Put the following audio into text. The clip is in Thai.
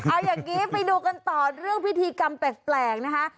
เอาอย่างนี้ไปดูกันต่อเรื่องพิธีกรรมแปลกนะคะ